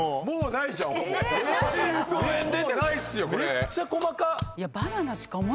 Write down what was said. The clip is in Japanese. めっちゃ細かっ。